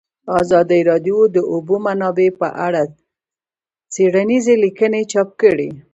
ازادي راډیو د د اوبو منابع په اړه څېړنیزې لیکنې چاپ کړي.